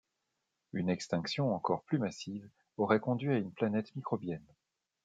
Une extinction encore plus massive aurait conduit à une planète microbienne.